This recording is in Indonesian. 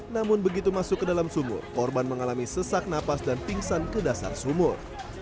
namun begitu masuk ke dalam sumur korban mengalami sesak napas dan pingsan ke dasar sumur